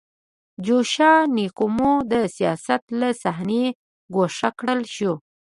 جاشوا نکومو د سیاست له صحنې ګوښه کړل شو.